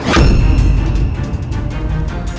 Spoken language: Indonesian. ketua ketua ketua